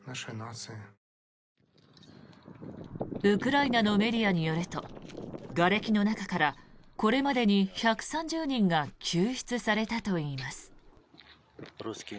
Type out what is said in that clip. ウクライナのメディアによるとがれきの中からこれまでに１３０人が救出されたといいます。